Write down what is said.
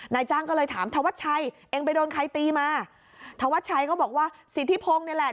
นายจ้างก็เลยถามธวัชชัยเองไปโดนใครตีมาธวัดชัยก็บอกว่าสิทธิพงศ์นี่แหละ